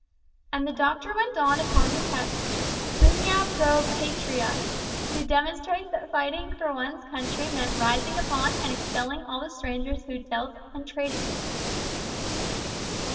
And the doctor went on upon the text, "Pugna pro patriâ," to demonstrate that fighting for one's country meant rising upon and expelling all the strangers who dwelt and traded within it.